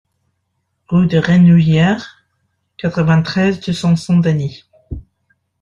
Rue des Renouillères, quatre-vingt-treize, deux cents Saint-Denis